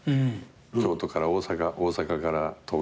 京都から大阪大阪から東京。